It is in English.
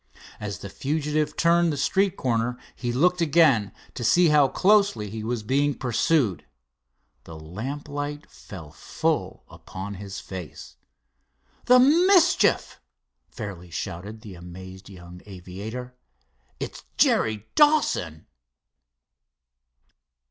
As the fugitive turned the street corner he looked again to see how closely he was being pursued. The lamp light fell full upon his face. "The mischief!" fairly shouted the amazed young aviator. "It's Jerry Dawson!"